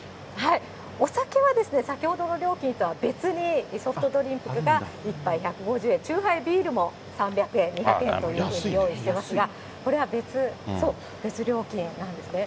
お酒はですね、先ほどの料金とは別に、ソフトドリンクが１杯１５０円、チューハイ、ビールも３００円、２００円ということで用意してますが、これは別料金なんですね。